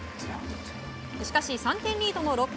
しかし３点リードの６回。